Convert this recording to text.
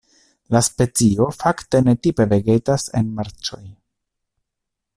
La specio fakte ne tipe vegetas en marĉoj.